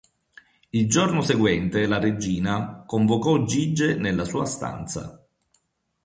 Il giorno seguente la regina convocò Gige nella sua stanza.